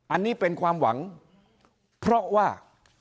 อันนี้เป็นความหวังเพราะว่า